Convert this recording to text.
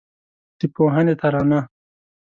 د پوهنې ترانه